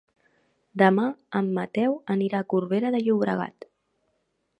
Demà en Mateu anirà a Corbera de Llobregat.